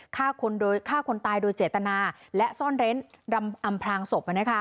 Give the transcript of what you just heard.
ฆ่าคนตายโดยเจตนาและซ่อนเร้นอำพลางศพ